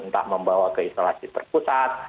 entah membawa ke isolasi terpusat